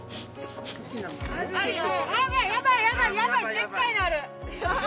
でっかいのある！